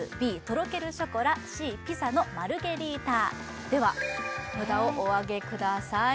ＢとろけるショコラＣピザのマルゲリータでは札をおあげください